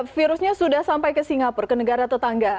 virusnya sudah sampai ke singapura ke negara tetangga